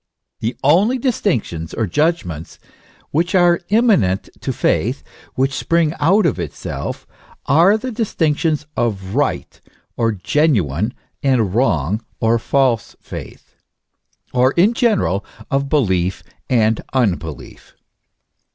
The only distinctions or judgments which are immanent to faith, which spring out of itself, are the distinctions of right or genuine, and wrong or false faith ; or in general, of belief and unbelief.